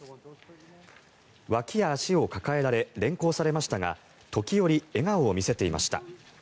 わきや足を抱えられ連行されましたが時折、笑顔を見せていました。